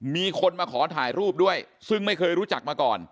มีคนมาขอถ่ายรูปด้วยซึ่งไม่เคยรู้จักมาก่อน